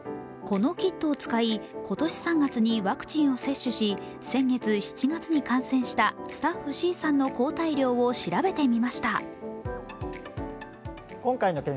このキットを使い、今年３月にワクチンを接種し、先月７月に感染したスタッフＣさんの抗体量を調べてみました。